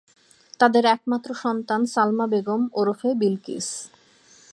তাদের একমাত্র সন্তান সালমা বেগম ওরফে বিলকিস।